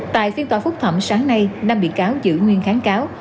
tại phiên tòa phúc thẩm sáng nay năm bị cáo giữ nguyên kháng cáo